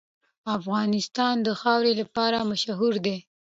افغانستان د خاوره لپاره مشهور دی.